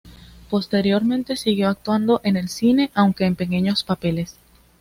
Posteriormente siguió actuando en el cine, aunque en pequeños papeles.